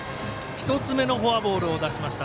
１つ目のフォアボールを出しました。